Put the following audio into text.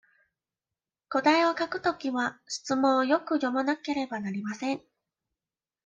答えを書くときは、質問をよく読まなければなりません。